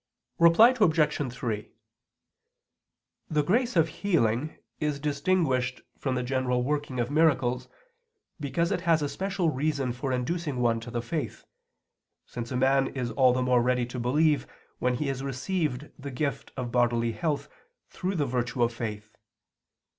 Reply Obj. 3: The grace of healing is distinguished from the general working of miracles because it has a special reason for inducing one to the faith, since a man is all the more ready to believe when he has received the gift of bodily health through the virtue of faith.